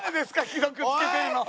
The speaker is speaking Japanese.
既読つけてるの」。